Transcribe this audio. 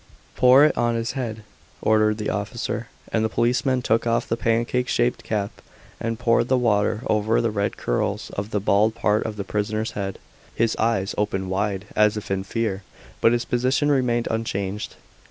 "Pour it on his head," ordered the officer; and the policeman took off the pancake shaped cap and poured the water over the red curls and bald part of the prisoner's head. His eyes opened wide as if in fear, but his position remained unchanged.